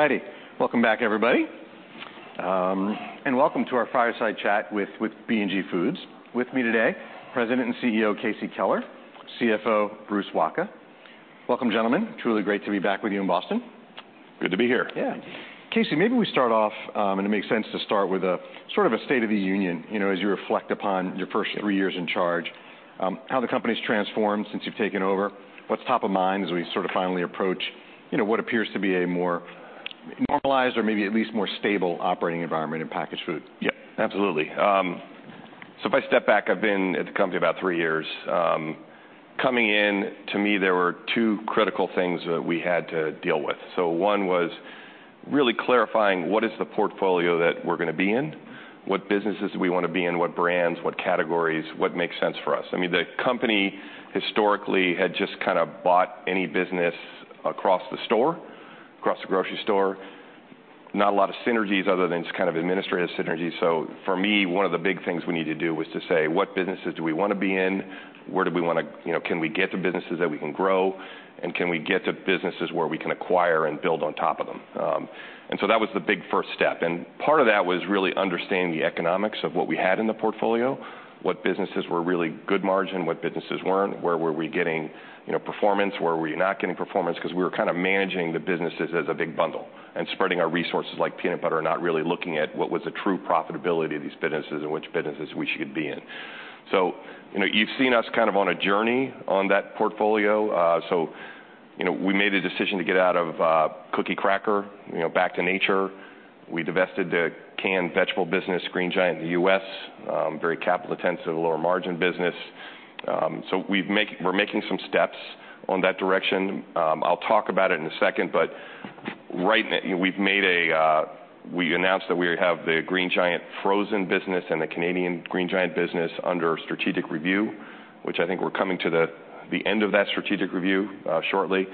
All right. All right. All righty. Welcome back, everybody, and welcome to our fireside chat with B&G Foods. With me today, President and CEO, Casey Keller, CFO, Bruce Wacha. Welcome, gentlemen. Truly great to be back with you in Boston. Good to be here. Yeah. Casey, maybe we start off, and it makes sense to start with a sort of a State of the Union, you know, as you reflect upon your first three years in charge, how the company's transformed since you've taken over, what's top of mind as we sort of finally approach, you know, what appears to be a more normalized or maybe at least more stable operating environment in packaged food? Yeah, absolutely. So if I step back, I've been at the company about three years. Coming in, to me, there were two critical things that we had to deal with. So one was really clarifying what is the portfolio that we're gonna be in? What businesses we wanna be in, what brands, what categories, what makes sense for us? I mean, the company historically had just kind of bought any business across the store, across the grocery store. Not a lot of synergies other than just kind of administrative synergies. So for me, one of the big things we need to do was to say: What businesses do we wanna be in? Where do we wanna, you know, can we get to businesses that we can grow? And can we get to businesses where we can acquire and build on top of them? And so that was the big first step. And part of that was really understanding the economics of what we had in the portfolio, what businesses were really good margin, what businesses weren't, where were we getting, you know, performance, where were we not getting performance, because we were kind of managing the businesses as a big bundle and spreading our resources like peanut butter, not really looking at what was the true profitability of these businesses and which businesses we should be in. So, you know, you've seen us kind of on a journey on that portfolio. So, you know, we made a decision to get out of, cookie cracker, you know, Back to Nature. We divested the canned vegetable business, Green Giant, in the U.S., very capital-intensive, lower margin business. So, we're making some steps on that direction. I'll talk about it in a second, but we've made a, we announced that we have the Green Giant frozen business and the Canadian Green Giant business under strategic review, which I think we're coming to the end of that strategic review shortly,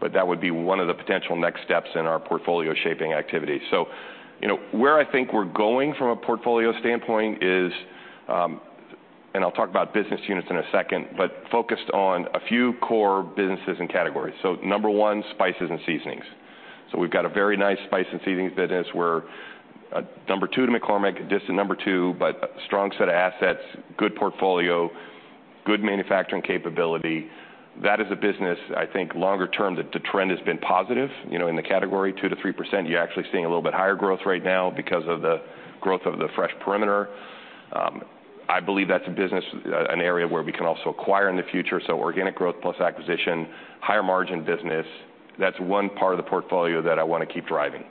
but that would be one of the potential next steps in our portfolio shaping activity. So, you know, where I think we're going from a portfolio standpoint is, and I'll talk about business units in a second, but focused on a few core businesses and categories. So number one, spices and seasonings. So we've got a very nice spice and seasonings business. We're number two to McCormick, distant number two, but strong set of assets, good portfolio, good manufacturing capability. That is a business, I think, longer term, the trend has been positive, you know, in the category, 2%-3%. You're actually seeing a little bit higher growth right now because of the growth of the fresh perimeter. I believe that's a business, an area where we can also acquire in the future, so organic growth plus acquisition, higher margin business. That's one part of the portfolio that I wanna keep driving.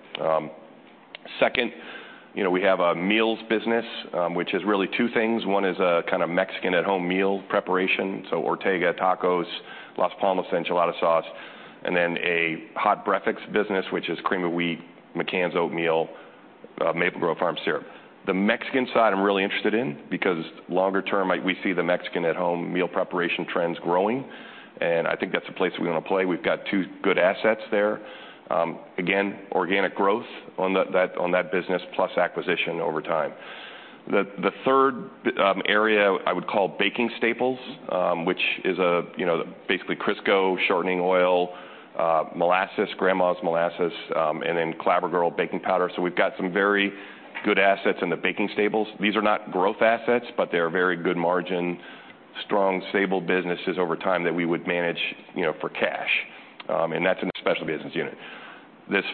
Second, you know, we have a meals business, which is really two things. One is a kind of Mexican at-home meal preparation, so Ortega tacos, Las Palmas enchilada sauce, and then a hot breakfast business, which is Cream of Wheat, McCann's Oatmeal, Maple Grove Farms syrup. The Mexican side, I'm really interested in because longer term, we see the Mexican at-home meal preparation trends growing, and I think that's a place we wanna play. We've got two good assets there. Again, organic growth on that business, plus acquisition over time. The third area I would call baking staples, which is, you know, basically Crisco, shortening oil, molasses, Grandma's Molasses, and then Clabber Girl baking powder. So we've got some very good assets in the baking staples. These are not growth assets, but they're very good margin, strong, stable businesses over time that we would manage, you know, for cash, and that's in the spices business unit. This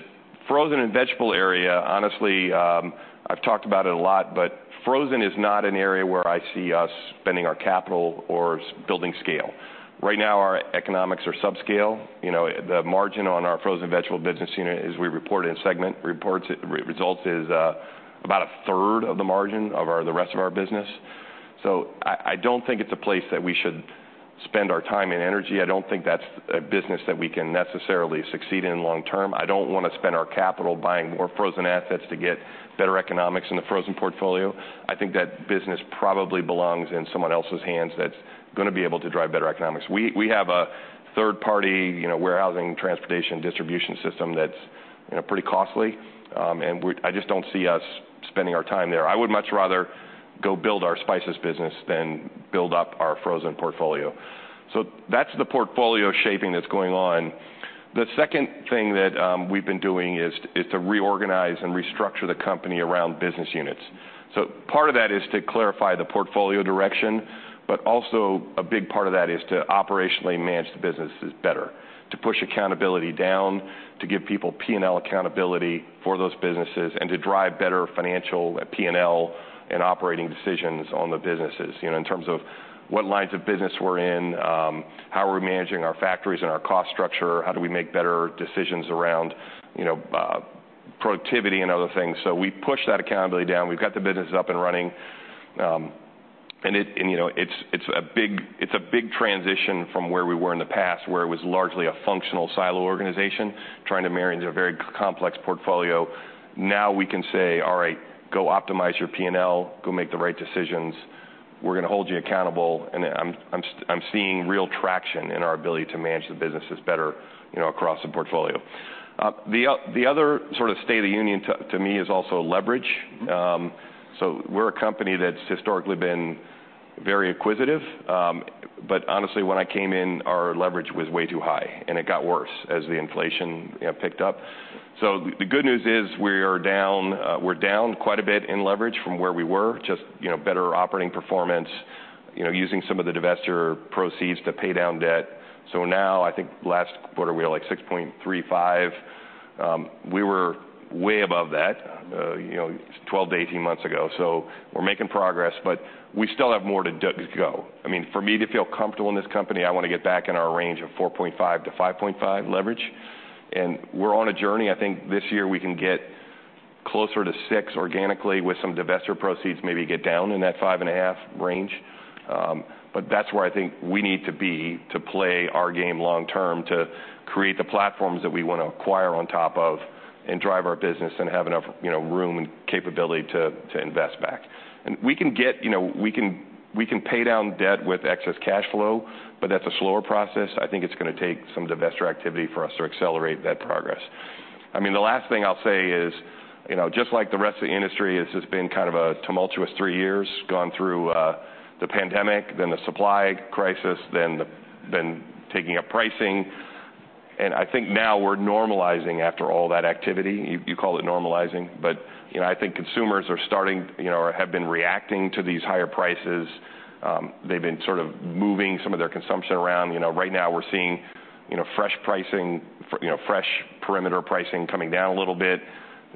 frozen and vegetable area, honestly, I've talked about it a lot, but frozen is not an area where I see us spending our capital or building scale. Right now, our economics are subscale. You know, the margin on our frozen vegetable business unit, as we report in segment reports, results, is about a third of the margin of our, the rest of our business. So I don't think it's a place that we should spend our time and energy. I don't think that's a business that we can necessarily succeed in long term. I don't wanna spend our capital buying more frozen assets to get better economics in the frozen portfolio. I think that business probably belongs in someone else's hands that's gonna be able to drive better economics. We have a third-party, you know, warehousing, transportation, distribution system that's, you know, pretty costly, and I just don't see us spending our time there. I would much rather go build our spices business than build up our frozen portfolio. So that's the portfolio shaping that's going on. The second thing that we've been doing is to reorganize and restructure the company around business units. So part of that is to clarify the portfolio direction, but also a big part of that is to operationally manage the businesses better, to push accountability down, to give people P&L accountability for those businesses, and to drive better financial, P&L, and operating decisions on the businesses, you know, in terms of what lines of business we're in, how are we managing our factories and our cost structure? How do we make better decisions around, you know, productivity and other things? So we push that accountability down. We've got the businesses up and running, and, you know, it's a big transition from where we were in the past, where it was largely a functional silo organization trying to marry into a very complex portfolio. Now we can say, "All right, go optimize your P&L. Go make the right decisions. We're gonna hold you accountable," and I'm seeing real traction in our ability to manage the businesses better, you know, across the portfolio. The other sort of state of the union to me is also leverage. So we're a company that's historically been very acquisitive, but honestly, when I came in, our leverage was way too high, and it got worse as the inflation, you know, picked up. So the good news is we are down, we're down quite a bit in leverage from where we were. Just, you know, better operating performance, you know, using some of the divestiture proceeds to pay down debt. So now, I think last quarter, we were, like, 6.35. We were way above that, you know, 12-18 months ago. So we're making progress, but we still have more to go. I mean, for me to feel comfortable in this company, I wanna get back in our range of 4.5-5.5 leverage, and we're on a journey. I think this year we can get closer to six organically, with some divestiture proceeds, maybe get down in that five and a half range. But that's where I think we need to be to play our game long term, to create the platforms that we wanna acquire on top of and drive our business and have enough, you know, room and capability to invest back. And we can get. You know, we can pay down debt with excess cash flow, but that's a slower process. I think it's gonna take some divestiture activity for us to accelerate that progress. I mean, the last thing I'll say is, you know, just like the rest of the industry, this has been kind of a tumultuous three years, gone through the pandemic, then the supply crisis, then taking up pricing, and I think now we're normalizing after all that activity. You call it normalizing, but, you know, I think consumers are starting, you know, or have been reacting to these higher prices. They've been sort of moving some of their consumption around. You know, right now, we're seeing, you know, fresh pricing, you know, fresh perimeter pricing coming down a little bit,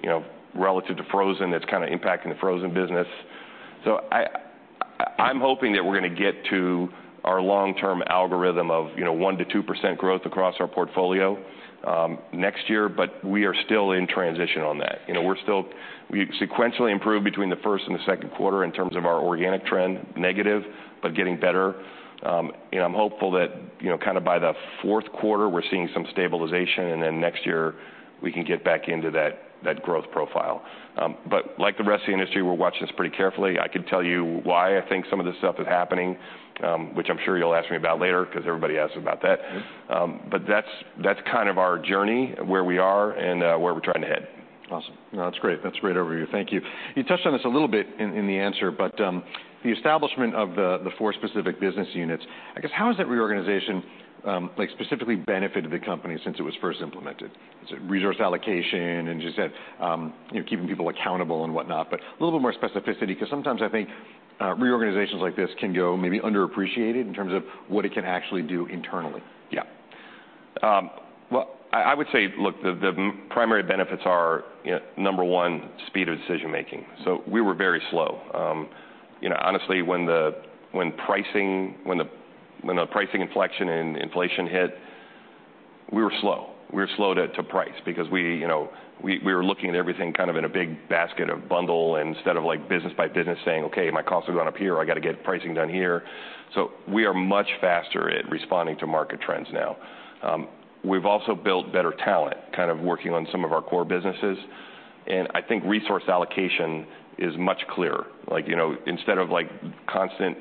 you know, relative to frozen. That's kind of impacting the frozen business. So I'm hoping that we're gonna get to our long-term algorithm of, you know, 1%-2% growth across our portfolio, next year, but we are still in transition on that. You know, we're still, we sequentially improved between the first and the second quarter in terms of our organic trend, negative, but getting better. And I'm hopeful that, you know, kind of by the fourth quarter, we're seeing some stabilization, and then next year, we can get back into that growth profile. But like the rest of the industry, we're watching this pretty carefully. I could tell you why I think some of this stuff is happening, which I'm sure you'll ask me about later, 'cause everybody asks about that. But that's kind of our journey, where we are and where we're trying to head. Awesome. No, that's great. That's great overview. Thank you. You touched on this a little bit in the answer, but the establishment of the four specific business units, I guess, how has that reorganization, like, specifically benefited the company since it was first implemented? Is it resource allocation and just that, you know, keeping people accountable and whatnot, but a little bit more specificity, 'cause sometimes I think reorganizations like this can go maybe underappreciated in terms of what it can actually do internally. Yeah. Well, I would say, look, the primary benefits are, you know, number one, speed of decision-making. So we were very slow. You know, honestly, when the pricing inflection and inflation hit, we were slow. We were slow to price because we, you know, we were looking at everything kind of in a big basket, a bundle, instead of, like, business by business, saying, "Okay, my costs have gone up here. I got to get pricing down here." So we are much faster at responding to market trends now. We've also built better talent, kind of working on some of our core businesses, and I think resource allocation is much clearer. Like, you know, instead of, like, constant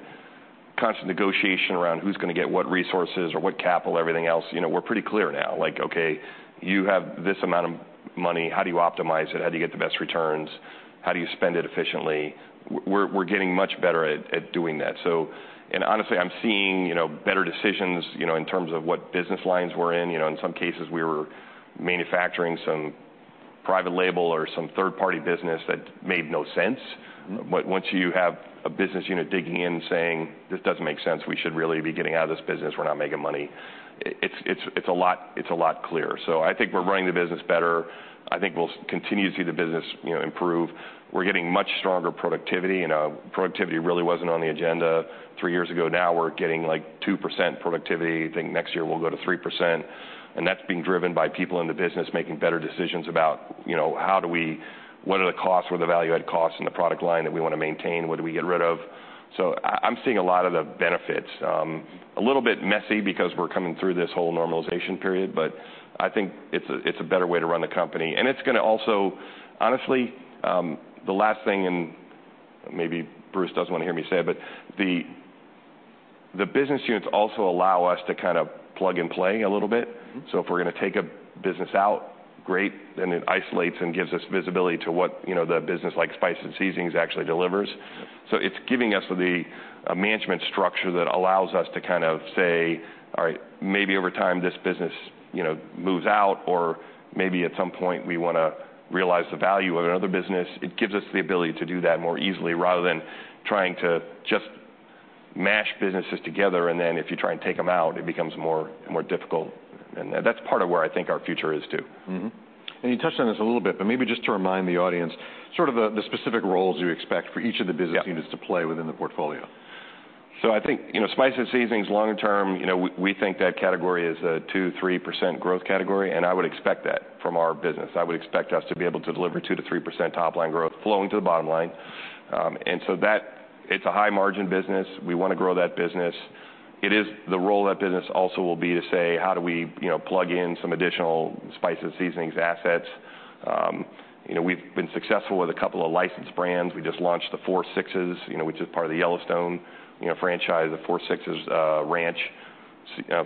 negotiation around who's gonna get what resources or what capital, everything else, you know, we're pretty clear now. Like, okay, you have this amount of money. How do you optimize it? How do you get the best returns? How do you spend it efficiently? We're getting much better at doing that. So... and honestly, I'm seeing, you know, better decisions, you know, in terms of what business lines we're in. You know, in some cases, we were manufacturing some private label or some third-party business that made no sense. Mm-hmm. But once you have a business unit digging in and saying, "This doesn't make sense. We should really be getting out of this business. We're not making money," it's a lot clearer. So I think we're running the business better. I think we'll continue to see the business, you know, improve. We're getting much stronger productivity, and productivity really wasn't on the agenda three years ago. Now, we're getting, like, 2% productivity. I think next year we'll go to 3%, and that's being driven by people in the business making better decisions about, you know, what are the costs or the value-add costs in the product line that we wanna maintain? What do we get rid of? So, I'm seeing a lot of the benefits, a little bit messy because we're coming through this whole normalization period, but I think it's a better way to run the company, and it's gonna also... Honestly, the last thing, and maybe Bruce doesn't wanna hear me say it, but the business units also allow us to kind of plug and play a little bit. Mm-hmm. So if we're gonna take a business out, great, then it isolates and gives us visibility to what, you know, the business, like spice and seasonings, actually delivers. Yep. So it's giving us the management structure that allows us to kind of say, "All right, maybe over time, this business, you know, moves out, or maybe at some point, we wanna realize the value of another business." It gives us the ability to do that more easily, rather than trying to just mash businesses together, and then if you try and take them out, it becomes more difficult. And that's part of where I think our future is, too. Mm-hmm, and you touched on this a little bit, but maybe just to remind the audience, sort of the specific roles you expect for each of the business- Yeah units to play within the portfolio. So I think, you know, spice and seasonings, long term, you know, we think that category is a 2%-3% growth category, and I would expect that from our business. I would expect us to be able to deliver 2%-3% top-line growth flowing to the bottom line. And so that, it's a high-margin business. We wanna grow that business. It is the role of that business also will be to say, how do we, you know, plug in some additional spice and seasonings assets? You know, we've been successful with a couple of licensed brands. We just launched the Four Sixes, you know, which is part of the Yellowstone, you know, franchise, the Four Sixes Ranch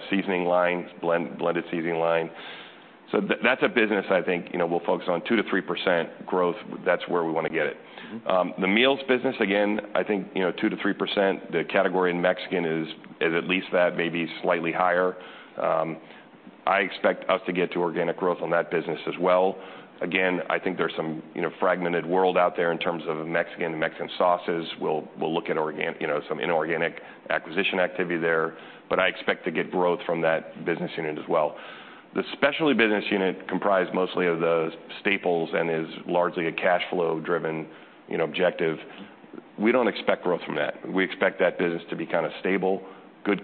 seasoning lines, blended seasoning line. That's a business I think, you know, we'll focus on 2%-3% growth. That's where we want to get it. Mm-hmm. The meals business, again, I think, you know, 2%-3%. The category in Mexican is at least that, maybe slightly higher. I expect us to get to organic growth on that business as well. Again, I think there's some, you know, fragmented world out there in terms of Mexican sauces. We'll look at, you know, some inorganic acquisition activity there, but I expect to get growth from that business unit as well. The specialty business unit comprised mostly of the staples and is largely a cash flow-driven, you know, objective. We don't expect growth from that. We expect that business to be kind of stable, good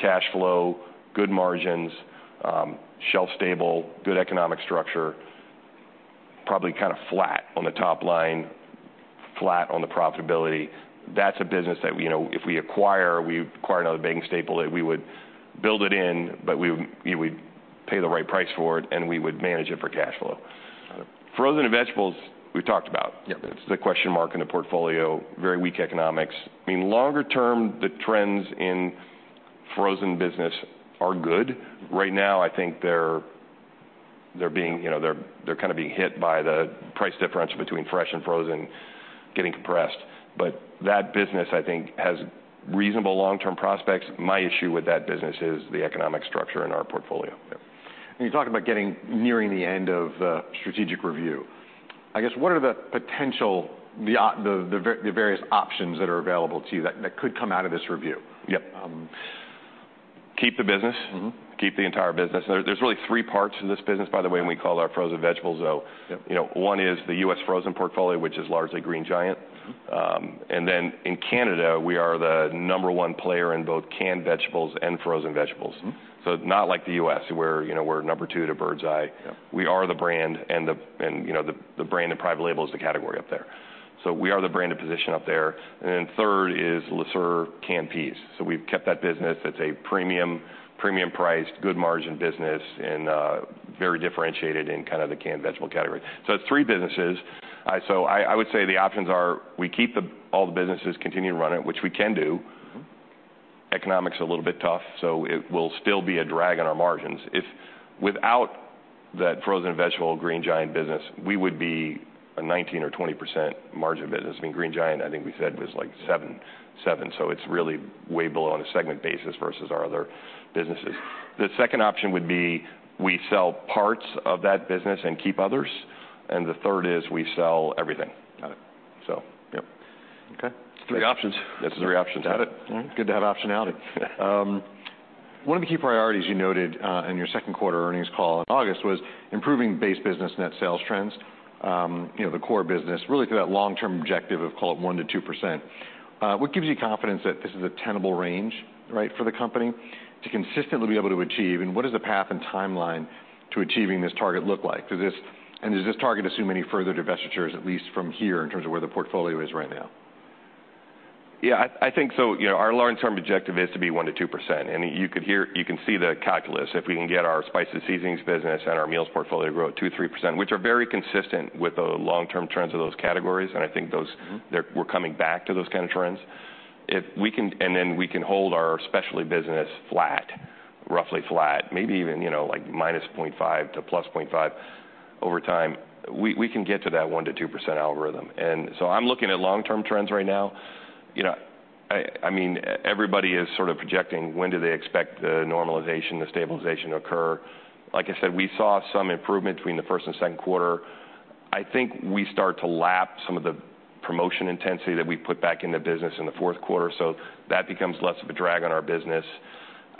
cash flow, good margins, shelf stable, good economic structure, probably kind of flat on the top line, flat on the profitability. That's a business that, you know, if we acquire, we acquire another baking staple that we would build it in, but we would pay the right price for it, and we would manage it for cash flow. Got it. Frozen vegetables, we've talked about. Yep. It's the question mark in the portfolio. Very weak economics. I mean, longer term, the trends in frozen business are good. Right now, I think they're being... You know, they're kind of being hit by the price differential between fresh and frozen getting compressed. But that business, I think, has reasonable long-term prospects. My issue with that business is the economic structure in our portfolio. Yep. And you talked about getting nearing the end of the strategic review. I guess, what are the potential, the various options that are available to you that could come out of this review? Yep. Keep the business. Mm-hmm. Keep the entire business. There's really three parts to this business, by the way. Yep when we call our frozen vegetables, though. Yep. You know, one is the U.S. frozen portfolio, which is largely Green Giant. Mm-hmm. And then in Canada, we are the number one player in both canned vegetables and frozen vegetables. Mm-hmm. So not like the U.S., where, you know, we're number two to Birds Eye. Yep. We are the brand and, you know, the brand and private label is the category up there. So we are the brand of position up there, and then third is Le Sueur canned peas. So we've kept that business. That's a premium, premium priced, good margin business and very differentiated in kind of the canned vegetable category. So it's three businesses. So I would say the options are, we keep all the businesses, continue to run it, which we can do. Mm-hmm. Economics are a little bit tough, so it will still be a drag on our margins. If without that frozen vegetable Green Giant business, we would be a 19%-20% margin business. I mean, Green Giant, I think we said, was like 7.7%. So it's really way below on a segment basis versus our other businesses. The second option would be we sell parts of that business and keep others, and the third is we sell everything. Got it. So, yep. Okay. It's three options. That's the three options. Got it. Mm-hmm. Good to have optionality. One of the key priorities you noted in your second quarter earnings call in August was improving base business net sales trends, you know, the core business, really for that long-term objective of, call it, 1%-2%. What gives you confidence that this is a tenable range, right, for the company, to consistently be able to achieve? And what does the path and timeline to achieving this target look like? And does this target assume any further divestitures, at least from here, in terms of where the portfolio is right now? Yeah, I think so. You know, our long-term objective is to be 1%-2%, and you can see the calculus. If we can get our spices, seasonings business and our meals portfolio grow at 2%-3%, which are very consistent with the long-term trends of those categories, and I think those- Mm-hmm we're coming back to those kind of trends. If we can... then we can hold our specialty business flat, roughly flat, maybe even, you know, like -0.5% to +0.5% over time, we can get to that 1%-2% algorithm. So I'm looking at long-term trends right now. You know, I mean, everybody is sort of projecting, when do they expect the normalization, the stabilization to occur? Like I said, we saw some improvement between the first and second quarter. I think we start to lap some of the promotion intensity that we put back in the business in the fourth quarter, so that becomes less of a drag on our business.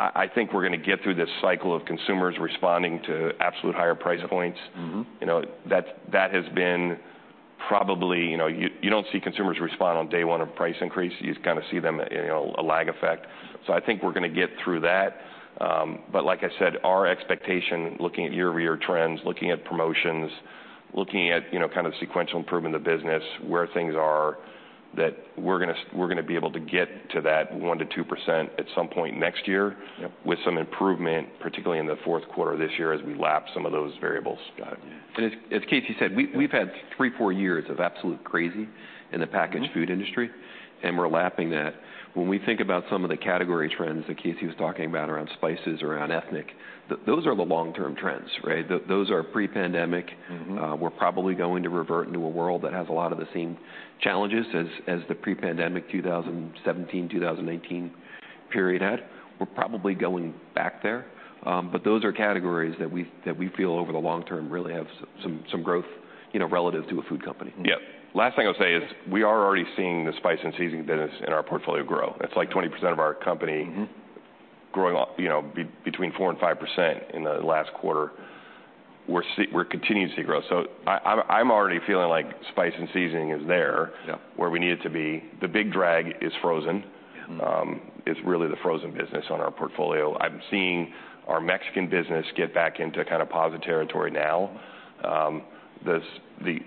I think we're gonna get through this cycle of consumers responding to absolute higher price points. Mm-hmm. You know, that has been probably... You know, you don't see consumers respond on day one of price increase. You kind of see them, you know, a lag effect. So I think we're gonna get through that. But like I said, our expectation, looking at year-over-year trends, looking at promotions, looking at, you know, kind of sequential improvement of business, where things are, that we're gonna be able to get to that 1%-2% at some point next year. Yep with some improvement, particularly in the fourth quarter of this year, as we lap some of those variables. Got it. As Casey said, we've had three, four years of absolute crazy in the packaged- Mm-hmm food industry, and we're lapping that. When we think about some of the category trends that Casey was talking about around spices or around ethnic, those are the long-term trends, right? Those are pre-pandemic. Mm-hmm. We're probably going to revert into a world that has a lot of the same challenges as the pre-pandemic, 2017, 2018 period had. We're probably going back there, but those are categories that we feel over the long term really have some growth, you know, relative to a food company. Yep. Last thing I'll say is, we are already seeing the spice and seasoning business in our portfolio grow. That's like 20% of our company- Mm-hmm growing, you know, between 4% and 5% in the last quarter. We're continuing to see growth, so I'm already feeling like spice and seasoning is there- Yep where we need it to be. The big drag is frozen. Mm-hmm. It's really the frozen business in our portfolio. I'm seeing our Mexican business get back into kind of positive territory now. The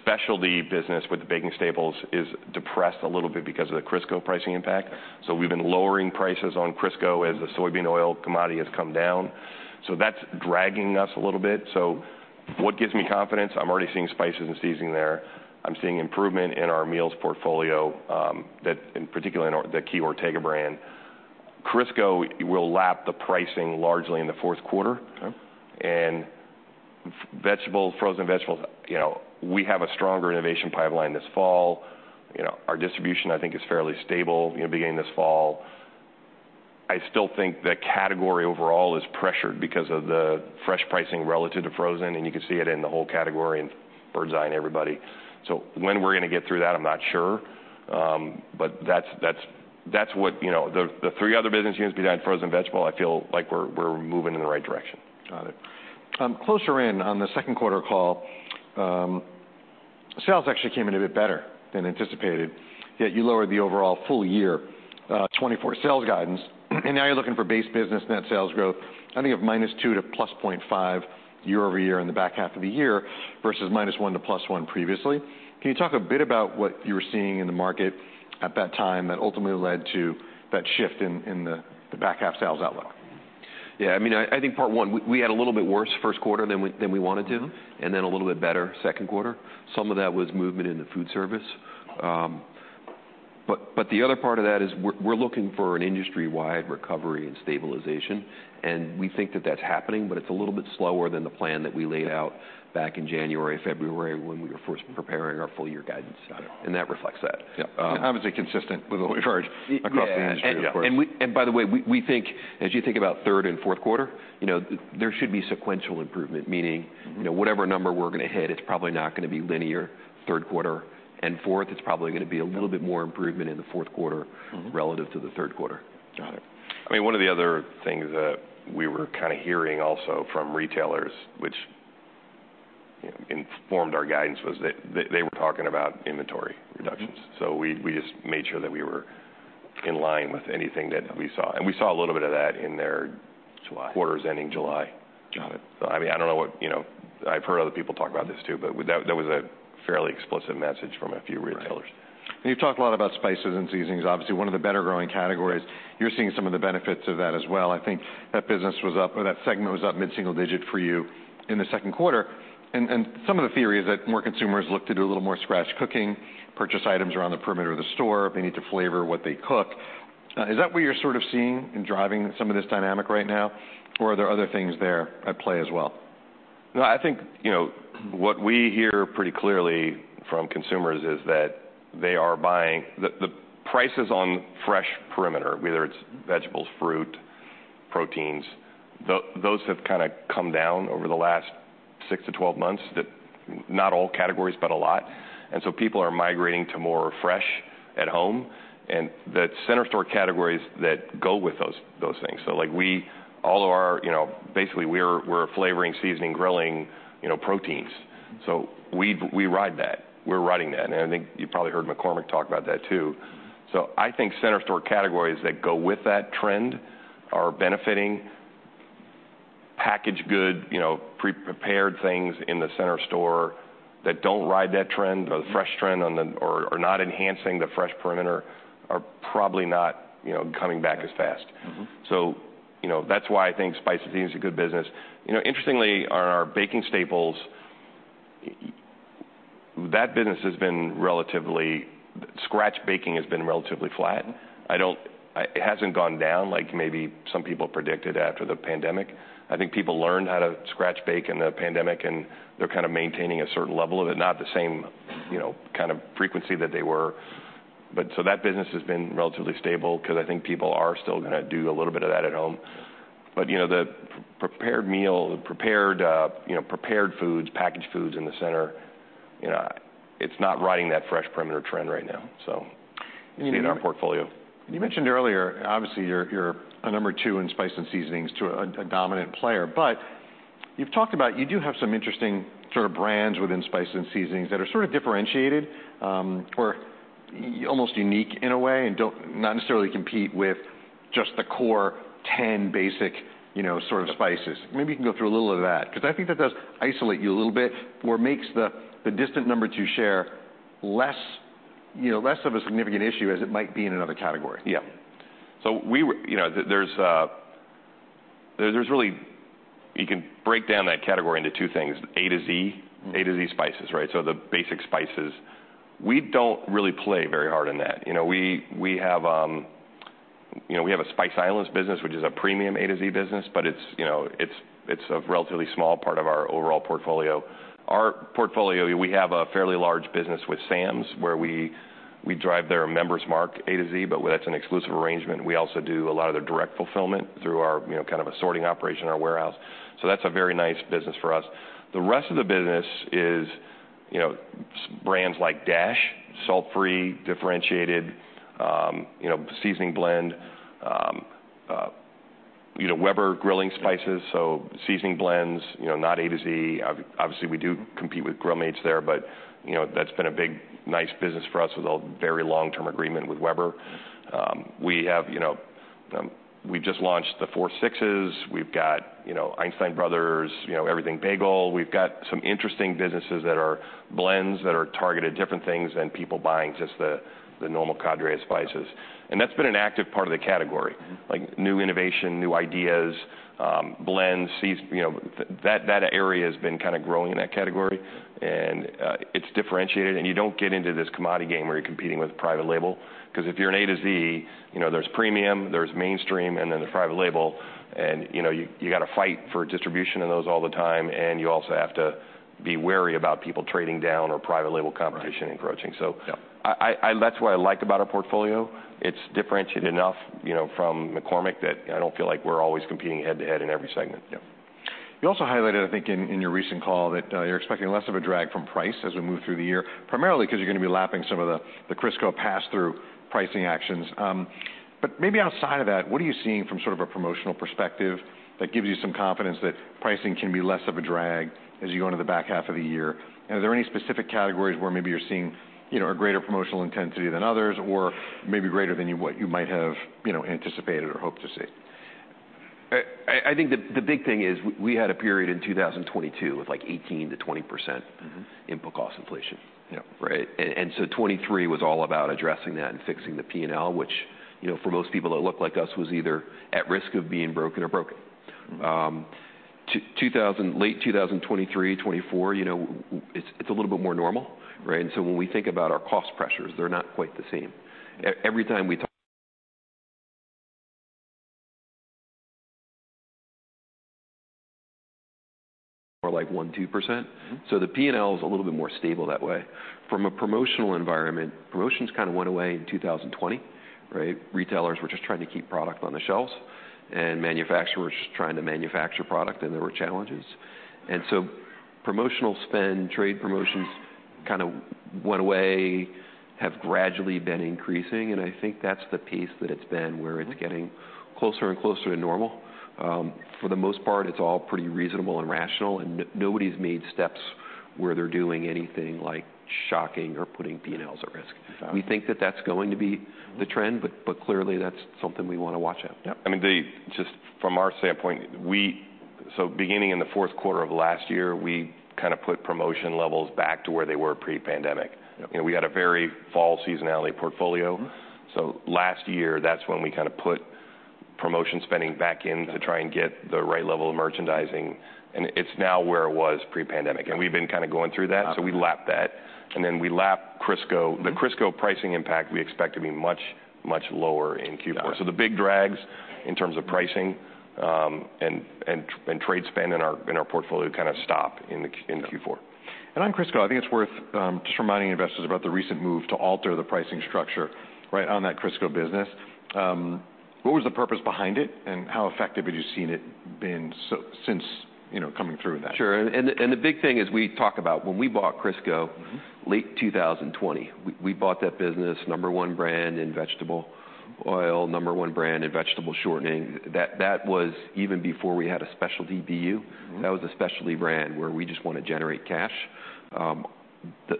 specialty business with the baking staples is depressed a little bit because of the Crisco pricing impact, so we've been lowering prices on Crisco as the soybean oil commodity has come down, so that's dragging us a little bit, so what gives me confidence? I'm already seeing spices and seasoning there. I'm seeing improvement in our meals portfolio, particularly in our key Ortega brand. Crisco will lap the pricing largely in the fourth quarter. Okay. And vegetable, frozen vegetables, you know, we have a stronger innovation pipeline this fall. You know, our distribution, I think, is fairly stable, you know, beginning this fall. I still think the category overall is pressured because of the fresh pricing relative to frozen, and you can see it in the whole category in Birds Eye and everybody. So when we're gonna get through that, I'm not sure. But that's what, you know, the three other business units behind frozen vegetable, I feel like we're moving in the right direction. Got it. Closer in on the second quarter call, sales actually came in a bit better than anticipated, yet you lowered the overall full year 2024 sales guidance, and now you're looking for base business net sales growth, I think of -2% to +0.5% year over year in the back half of the year versus -1% to +1% previously. Can you talk a bit about what you were seeing in the market at that time that ultimately led to that shift in the back half sales outlook? Yeah, I mean, I think part one, we had a little bit worse first quarter than we wanted to, and then a little bit better second quarter. Some of that was movement in the foodservice. But the other part of that is we're looking for an industry-wide recovery and stabilization, and we think that that's happening, but it's a little bit slower than the plan that we laid out back in January, February, when we were first preparing our full year guidance. Got it. That reflects that. Yeah. Um- Obviously, consistent with what we've heard across the industry, of course. Yeah, and by the way, we think as you think about third and fourth quarter, you know, there should be sequential improvement, meaning- Mm-hmm you know, whatever number we're gonna hit, it's probably not gonna be linear third quarter and fourth. It's probably gonna be a little bit more improvement in the fourth quarter- Mm-hmm relative to the third quarter. Got it. I mean, one of the other things that we were kind of hearing also from retailers, which, you know, informed our guidance, was that they were talking about inventory reductions. Mm-hmm. So we just made sure that we were in line with anything that we saw. And we saw a little bit of that in their- July quarters ending July. Got it. So, I mean, I don't know what... You know, I've heard other people talk about this, too, but that, that was a fairly explicit message from a few retailers. Right. And you've talked a lot about spices and seasonings, obviously one of the better growing categories. Yeah. You're seeing some of the benefits of that as well. I think that business was up, or that segment was up mid-single digit for you in the second quarter. And some of the theory is that more consumers look to do a little more scratch cooking, purchase items around the perimeter of the store. They need to flavor what they cook. Is that what you're sort of seeing in driving some of this dynamic right now, or are there other things there at play as well? No, I think, you know, what we hear pretty clearly from consumers is that they are buying. The prices on fresh perimeter, whether it's vegetables, fruit, proteins, those have kind of come down over the last six to 12 months, that, not all categories, but a lot. People are migrating to more fresh at home, and the center store categories that go with those things. Like, we all of our, you know, basically, we're flavoring, seasoning, grilling, you know, proteins. We ride that. We're riding that, and I think you probably heard McCormick talk about that, too. Center store categories that go with that trend are benefiting packaged goods, you know, pre-prepared things in the center store that don't ride that trend. Mm-hmm or not enhancing the fresh perimeter are probably not, you know, coming back as fast. Mm-hmm. So, you know, that's why I think spice and seasoning is a good business. You know, interestingly, on our baking staples, that business has been relatively. Scratch baking has been relatively flat. I don't. It hasn't gone down like maybe some people predicted after the pandemic. I think people learned how to scratch bake in the pandemic, and they're kind of maintaining a certain level of it, not the same, you know, kind of frequency that they were. But so that business has been relatively stable because I think people are still gonna do a little bit of that at home. But, you know, the prepared meal, prepared, you know, prepared foods, packaged foods in the center, you know, it's not riding that fresh perimeter trend right now, so- You mean- In our portfolio. You mentioned earlier, obviously, you're a number two in spice and seasonings to a dominant player, but you've talked about, you do have some interesting sort of brands within spice and seasonings that are sort of differentiated, or almost unique in a way, and don't not necessarily compete with just the core ten basic, you know, sort of spices. Yeah. Maybe you can go through a little of that, because I think that does isolate you a little bit or makes the distant number two share less, you know, less of a significant issue as it might be in another category. Yeah. So, you know, there's really... You can break down that category into two things: A to Z- Mm A to Z spices, right? So the basic spices. We don't really play very hard in that. You know, we have a Spice Islands business, which is a premium A to Z business, but it's a relatively small part of our overall portfolio. Our portfolio, we have a fairly large business with Sam's, where we drive their Member's Mark A to Z, but that's an exclusive arrangement. We also do a lot of the direct fulfillment through our, you know, kind of a sorting operation in our warehouse. So that's a very nice business for us. The rest of the business is, you know, brands like Dash, salt-free, differentiated, you know, seasoning blend, you know, Weber grilling spices, so seasoning blends, you know, not A to Z. Obviously, we do compete with Grill Mates there, but you know, that's been a big, nice business for us with a very long-term agreement with Weber. We have, you know- we've just launched the Four Sixes. We've got, you know, Einstein Bros., you know, Everything Bagel. We've got some interesting businesses that are blends, that are targeted different things than people buying just the, the normal everyday spices. And that's been an active part of the category. Like, new innovation, new ideas, blends, seeds, you know, that area has been kinda growing in that category, and, it's differentiated, and you don't get into this commodity game where you're competing with private label. 'Cause if you're an A to Z, you know, there's premium, there's mainstream, and then the private label, and, you know, you gotta fight for distribution in those all the time, and you also have to be wary about people trading down or private label competition encroaching. Yeah. That's what I like about our portfolio. It's differentiated enough, you know, from McCormick, that I don't feel like we're always competing head-to-head in every segment. Yeah. You also highlighted, I think, in your recent call, that you're expecting less of a drag from price as we move through the year, primarily 'cause you're gonna be lapping some of the Crisco pass-through pricing actions, but maybe outside of that, what are you seeing from sort of a promotional perspective that gives you some confidence that pricing can be less of a drag as you go into the back half of the year? And are there any specific categories where maybe you're seeing, you know, a greater promotional intensity than others, or maybe greater than what you might have, you know, anticipated or hoped to see? I think the big thing is we had a period in 2022 with, like, 18%-20% Mm-hmm input cost inflation. Yeah. Right? And so 2023 was all about addressing that and fixing the P&L, which, you know, for most people, that looked like us, was either at risk of being broken or broken. Late 2023, 2024, you know, it's, it's a little bit more normal, right? And so when we think about our cost pressures, they're not quite the same. Every time we talk... more like 1%-2%. Mm-hmm. So the P&L is a little bit more stable that way. From a promotional environment, promotions kind of went away in two thousand and twenty, right? Retailers were just trying to keep product on the shelves, and manufacturers trying to manufacture product, and there were challenges. And so promotional spend, trade promotions kind of went away, have gradually been increasing, and I think that's the piece that it's been, where it's getting closer and closer to normal. For the most part, it's all pretty reasonable and rational, and nobody's made steps where they're doing anything, like, shocking or putting P&Ls at risk. Got it. We think that that's going to be the trend, but clearly, that's something we wanna watch out. Yeah. I mean, just from our standpoint, so beginning in the fourth quarter of last year, we kinda put promotion levels back to where they were pre-pandemic. Yeah. You know, we had a very fall seasonality portfolio. Mm-hmm. So last year, that's when we kinda put promotion spending back in- Yeah to try and get the right level of merchandising, and it's now where it was pre-pandemic. And we've been kinda going through that, so we lapped that. And then we lapped Crisco. Mm-hmm. The Crisco pricing impact, we expect to be much, much lower in Q4. Yeah. So the big drags in terms of pricing and trade spend in our portfolio kind of stop in Q4. Yeah. On Crisco, I think it's worth just reminding investors about the recent move to alter the pricing structure, right, on that Crisco business. What was the purpose behind it, and how effective have you seen it been since, you know, coming through with that? Sure. And, the big thing is we talk about when we bought Crisco- Mm-hmm... late 2020, we bought that business, number one brand in vegetable oil, number one brand in vegetable shortening. That, that was even before we had a specialty BU. Mm-hmm. That was a specialty brand, where we just wanna generate cash.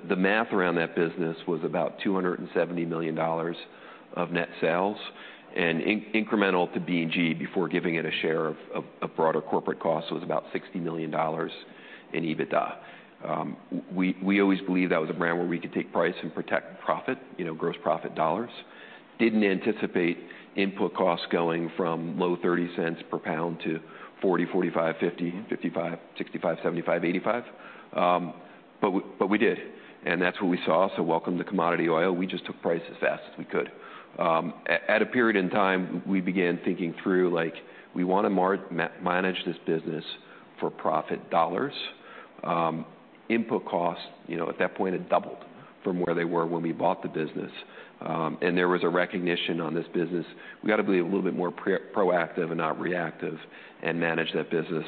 The math around that business was about $270 million of net sales, and incremental to B&G, before giving it a share of broader corporate costs, was about $60 million in EBITDA. We always believed that was a brand where we could take price and protect profit, you know, gross profit dollars. Didn't anticipate input costs going from low $0.30 per pound to $0.40-$0.50. Mm-hmm... 55, 65, 75, 85. But we did, and that's what we saw, so welcome to commodity oil. We just took prices as fast as we could. At a period in time, we began thinking through, like, we wanna manage this business for profit dollars. Input costs, you know, at that point, had doubled from where they were when we bought the business. And there was a recognition on this business, we gotta be a little bit more proactive and not reactive, and manage that business.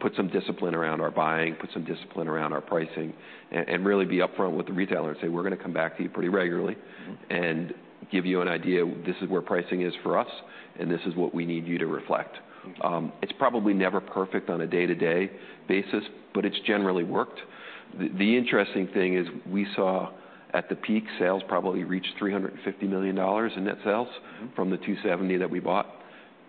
Put some discipline around our buying, put some discipline around our pricing, and really be upfront with the retailer and say, "We're gonna come back to you pretty regularly- Mm-hmm. and give you an idea, this is where pricing is for us, and this is what we need you to reflect. Mm-hmm. It's probably never perfect on a day-to-day basis, but it's generally worked. The interesting thing is we saw, at the peak, sales probably reach $350 million in net sales. Mm-hmm from the $270 that we bought.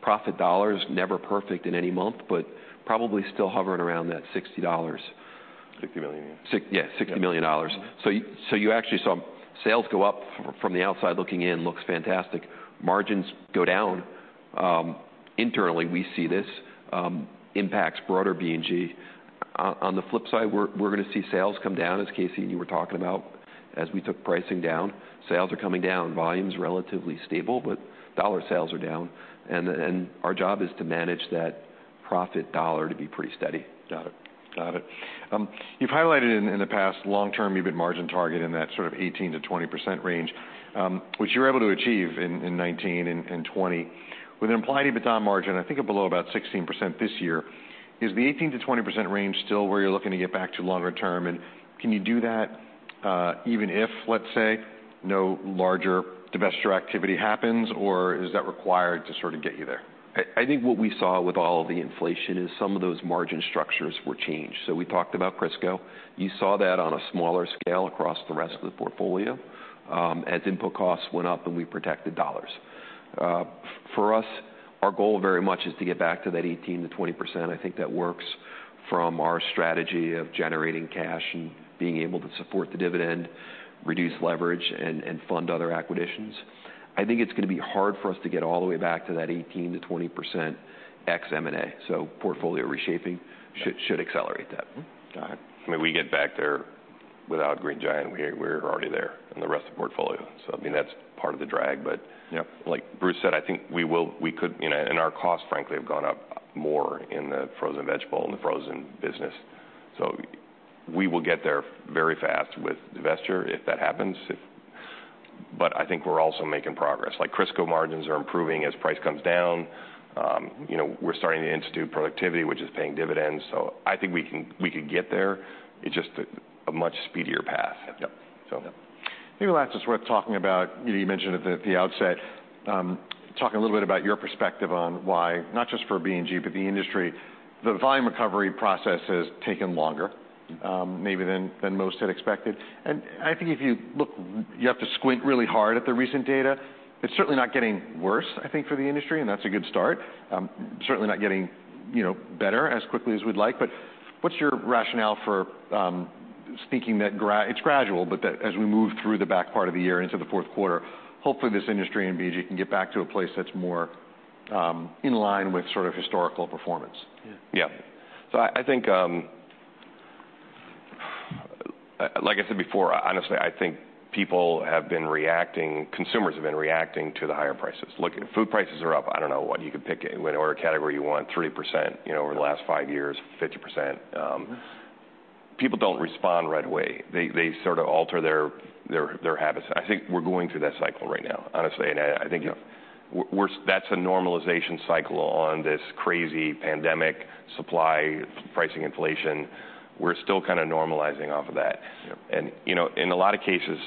Profit dollars, never perfect in any month, but probably still hovering around that $60. $60 million, yeah. Yeah, $60 million. Yeah. Mm-hmm. So you actually saw sales go up. From the outside looking in, looks fantastic. Margins go down. Internally, we see this impacts broader B&G. On the flip side, we're gonna see sales come down, as Casey, you were talking about, as we took pricing down. Sales are coming down. Volume's relatively stable, but dollar sales are down, and our job is to manage that profit dollar to be pretty steady. Got it. Got it. You've highlighted in the past long-term EBIT margin target in that sort of 18%-20% range, which you were able to achieve in 2019 and 2020, with an implied EBITDA margin, I think, of below about 16% this year. Is the 18%-20% range still where you're looking to get back to longer term, and can you do that, even if, let's say, no larger divestiture activity happens, or is that required to sort of get you there? I think what we saw with all of the inflation is some of those margin structures were changed. So we talked about Crisco. You saw that on a smaller scale across the rest of the portfolio, as input costs went up and we protected dollars. For us, our goal very much is to get back to that 18%-20%. I think that works from our strategy of generating cash and being able to support the dividend, reduce leverage, and fund other acquisitions. I think it's gonna be hard for us to get all the way back to that 18%-20% ex M&A, so portfolio reshaping should accelerate that. Got it. I mean, we get back there without Green Giant. We're, we're already there in the rest of the portfolio. So I mean, that's part of the drag but- Yep. Like Bruce said, I think we could, you know, and our costs, frankly, have gone up more in the frozen vegetable and the frozen business. So we will get there very fast with investors, if that happens. But I think we're also making progress. Like, Crisco margins are improving as price comes down. You know, we're starting to institute productivity, which is paying dividends, so I think we can get there. It's just a much speedier path. Yep. So. Maybe last, it's worth talking about, you know, you mentioned at the outset, talk a little bit about your perspective on why, not just for B&G, but the industry, the volume recovery process has taken longer, maybe than most had expected. And I think if you look, you have to squint really hard at the recent data. It's certainly not getting worse, I think, for the industry, and that's a good start. Certainly not getting, you know, better as quickly as we'd like. But what's your rationale for thinking that it's gradual, but that as we move through the back part of the year into the fourth quarter, hopefully, this industry and B&G can get back to a place that's more in line with sort of historical performance? Yeah. Yeah. So I think, like I said before, honestly, I think people have been reacting, consumers have been reacting to the higher prices. Look, food prices are up. I don't know what, you could pick any, whatever category you want, 3%, you know, over the last five years, 50%. People don't respond right away. They sort of alter their habits. I think we're going through that cycle right now, honestly, and I think. Yeah that's a normalization cycle on this crazy pandemic supply pricing inflation. We're still kind of normalizing off of that. Yep. You know, in a lot of cases,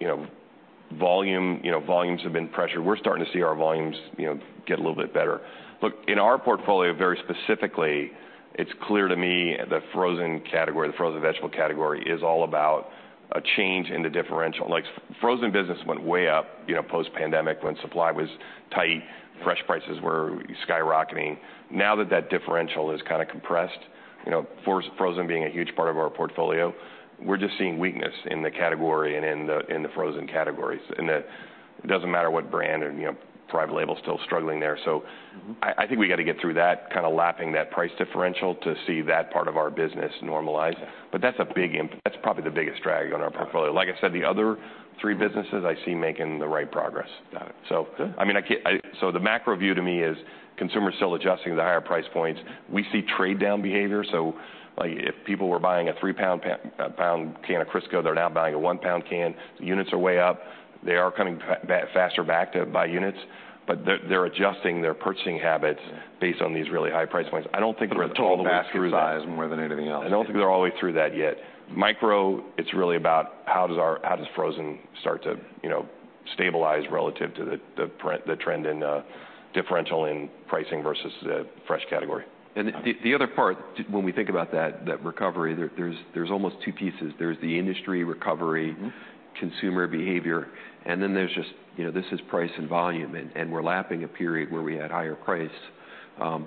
you know, volumes have been pressured. We're starting to see our volumes, you know, get a little bit better. Look, in our portfolio, very specifically, it's clear to me, the frozen category, the frozen vegetable category, is all about a change in the differential. Like, frozen business went way up, you know, post-pandemic when supply was tight, fresh prices were skyrocketing. Now that that differential is kind of compressed, you know, for frozen being a huge part of our portfolio, we're just seeing weakness in the category and in the frozen categories. And it doesn't matter what brand and, you know, private label is still struggling there. So- Mm-hmm... I think we got to get through that, kind of lapping that price differential, to see that part of our business normalize. But that's a big impact, that's probably the biggest drag on our portfolio. Like I said, the other three businesses, I see making the right progress. Got it. So- Good I mean, so the macro view to me is, consumers are still adjusting to the higher price points. We see trade-down behavior, so, like, if people were buying a three-pound can of Crisco, they're now buying a one-pound can. The units are way up. They are coming back faster to buy units, but they're adjusting their purchasing habits based on these really high price points. I don't think they're all the way through that. Basket size more than anything else. I don't think they're all the way through that yet. Micro, it's really about how does frozen start to, you know, stabilize relative to the trend in differential in pricing versus the fresh category? The other part, when we think about that recovery, there's almost two pieces. There's the industry recovery- Mm-hmm consumer behavior, and then there's just, you know, this is price and volume. And we're lapping a period where we had higher price,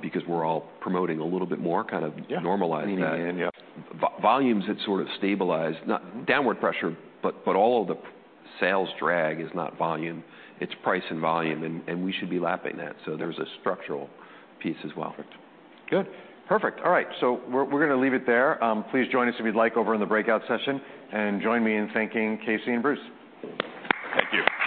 because we're all promoting a little bit more, kind of- Yeah normalizing that. Yeah. Volume's had sort of stabilized, not downward pressure, but all of the sales drag is not volume, it's price and volume, and we should be lapping that. So there's a structural piece as well. Good. Perfect. All right, so we're gonna leave it there. Please join us if you'd like, over in the breakout session, and join me in thanking Casey and Bruce. Thank you.